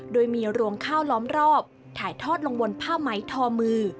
โดยมีรวงข้าวล้อมรอบถ่ายทอดลงบนผ้าไหมทอมือ